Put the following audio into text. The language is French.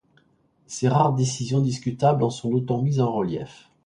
Ses rares décisions discutables en sont d'autant mises en relief.